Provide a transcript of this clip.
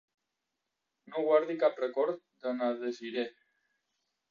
No guardi cap record de na Desirée.